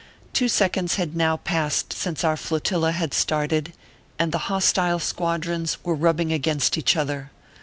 Two seconds had now passed since our flotilla had started, and the hostile squadrons were rubbing against each other.